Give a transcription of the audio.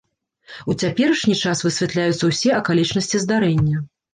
У цяперашні час высвятляюцца ўсе акалічнасці здарэння.